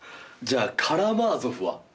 じゃあカラマーゾフは？